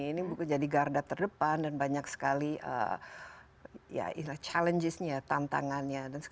ini menjadi garda terdepan dan banyak sekali ya ini lah tantangannya